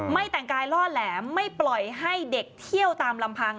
แต่งกายล่อแหลมไม่ปล่อยให้เด็กเที่ยวตามลำพัง